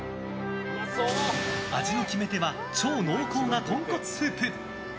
味の決め手は超濃厚な豚骨スープ。